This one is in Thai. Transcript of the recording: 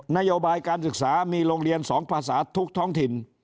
นโยบายการศึกษามีโรงเรียน๒ภาษาทุกท้องถิ่น